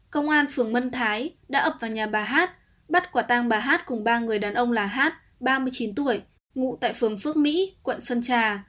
công an phường mân thái đã ập vào nhà bà hát bắt quả tang bà hát cùng ba người đàn ông là hát ba mươi chín tuổi ngụ tại phường phước mỹ quận sơn trà